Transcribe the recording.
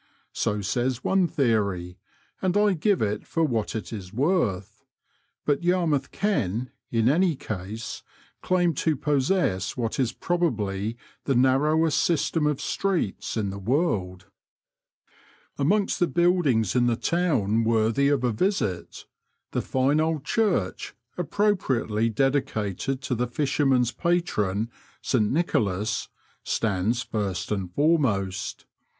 So says one theory, and I give it for what it is worth ; but Yarmouth can, in any case, claim to possess what is probably the narrowest system of streets in the world. Amongst the buildings in the town worthy of a visit, the fine old church, appropriately dedicated to the fishermen's pation, St Nicholas, stands first and foremost.